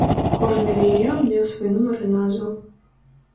Кожны легіён меў свой нумар і назву.